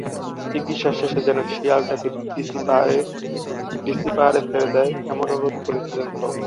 চিকিৎসা শেষে যেন শিয়ালটাকে ডিসি পাহাড়ে ছেড়ে দেয়, এমন অনুরোধ করেছিল রহমান।